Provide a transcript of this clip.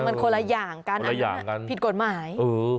มันคนละอย่างกันอันนั้นผิดกฎหมาย